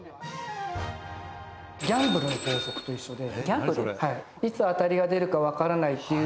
ギャンブルの法則と一緒で。